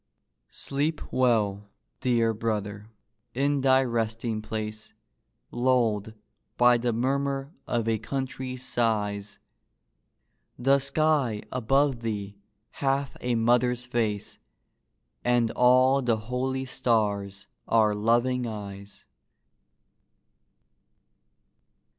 Sleep well, dear brother, in thy resting place, Lulled by the murmur of a country's sighs. The sky above thee hath a mother's face, And all the holy stars are loving eyes.